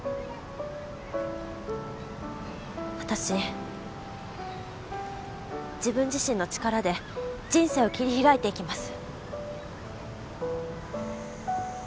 私自分自身の力で人生を切り開いていきます。